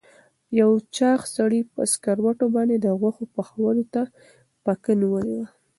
یو چاغ سړي په سکروټو باندې د غوښو پخولو ته پکه نیولې وه.